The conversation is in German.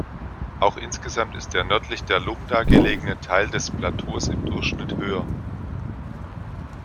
Auch insgesamt ist der nördlich der Lumda gelegene Teil des Plateaus im Durchschnitt höher.